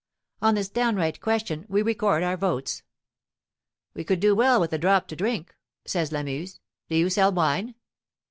On this downright question we record our votes. "We could do well with a drop to drink," says Lamuse. "Do you sell wine?"